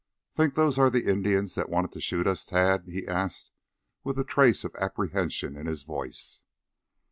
"Think those are the Indians that wanted to shoot us, Tad?" he asked, with a trace of apprehension in his voice.